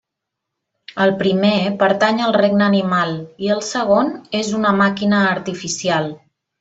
El primer pertany al regne animal i el segon és una màquina artificial.